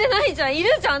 いるじゃん